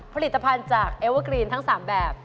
ผลิตภัณฑ์จากเอเวอร์กรีนทั้ง๓แบบ